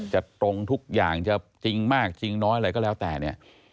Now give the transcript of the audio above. จะตรงทุกอย่างจะจริงมากจริงน้อยอะไรก็แล้วแต่เนี่ย